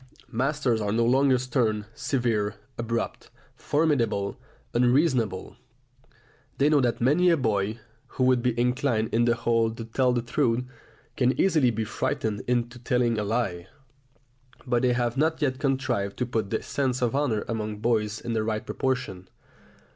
Masters are no longer stern, severe, abrupt, formidable, unreasonable. They know that many a boy, who would be inclined on the whole to tell the truth, can easily be frightened into telling a lie; but they have not yet contrived to put the sense of honour among boys in the right proportion.